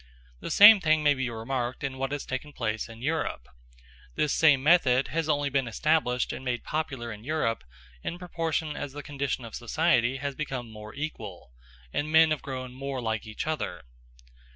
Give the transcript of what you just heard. The same thing may be remarked in what has taken place in Europe. This same method has only been established and made popular in Europe in proportion as the condition of society has become more equal, and men have grown more like each other.